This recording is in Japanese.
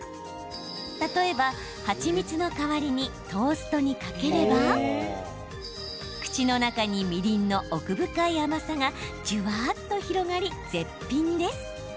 例えば、蜂蜜の代わりにトーストにかければ口の中にみりんの奥深い甘さがじゅわっと広がり、絶品です。